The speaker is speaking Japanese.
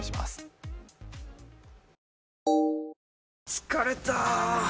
疲れた！